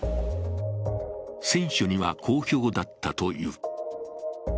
選手には好評だったという。